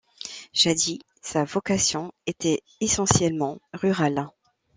Jadis, sa vocation était essentiellement rurale.